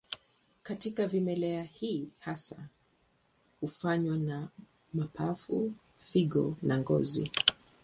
Katika vimelea hii hasa hufanywa na mapafu, figo na ngozi.